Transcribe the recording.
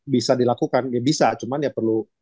bisa dilakukan ya bisa cuman ya perlu